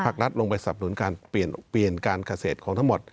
รัฐลงไปสับหนุนการเปลี่ยนการเกษตรของทั้งหมด